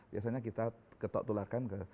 biasanya kita ketok tularkan ke